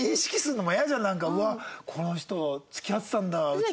うわっこの人付き合ってたんだうちの人と。